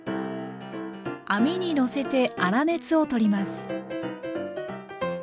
網にのせて粗熱を取ります。